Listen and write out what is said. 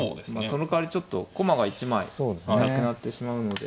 そのかわりちょっと駒が１枚なくなってしまうので。